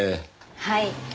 はい。